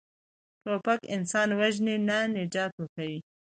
توپک انسان وژني، نه نجات ورکوي.